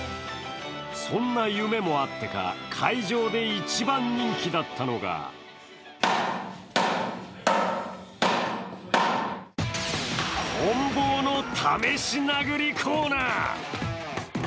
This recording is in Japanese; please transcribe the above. そんな夢もあってか会場で一番人気だったのがこん棒の試し殴りコーナー。